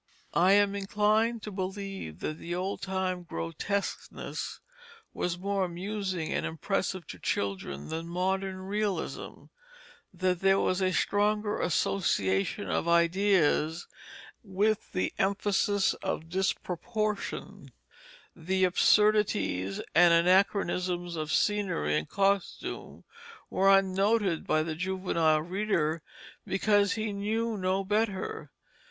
I am inclined to believe that the old time grotesqueness was more amusing and impressive to children than modern realism; that there was a stronger association of ideas with the emphasis of disproportion; the absurdities and anachronisms of scenery and costume were unnoted by the juvenile reader because he knew no better.